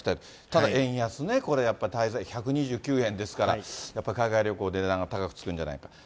ただ、円安ね、これやっぱり滞在費、１２９円ですから、やっぱり海外旅行、値段が高くつくんじゃないかと。